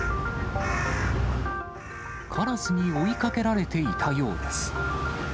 カラスに追いかけられていたようです。